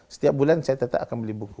setiap bulan saya tetap membeli buku